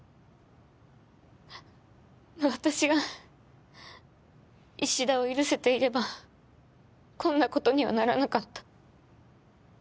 私が衣氏田を許せていればこんなことにはならなかった。